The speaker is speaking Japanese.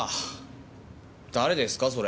誰ですかそれ？